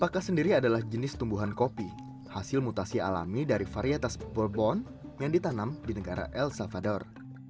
pakas sendiri adalah jenis tumbuhan kopi hasil mutasi alami dari varietas board bond yang ditanam di negara el salvador